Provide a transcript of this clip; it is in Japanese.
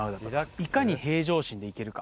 いかに平常心でいけるか。